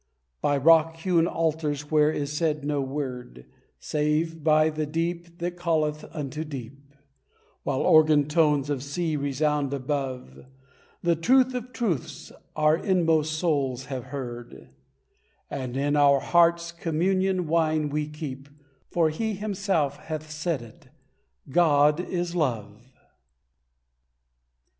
By rock hewn altars where is said no word, Save by the deep that calleth unto deep, While organ tones of sea resound above; The truth of truths our inmost souls have heard, And in our hearts communion wine we keep, For He Himself hath said it "God is Love!"